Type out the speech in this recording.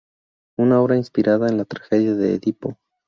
Una obra inspirada en la tragedia de Edipo.